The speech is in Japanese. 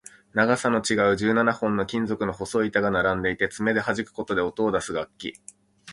長さの違う十七本の金属の細い板が並んでいて、爪ではじくことで音を出す楽器